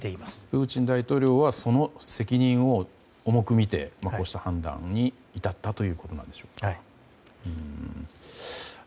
プーチン大統領はその責任を重く見て、こうした判断に至ったということでしょうか。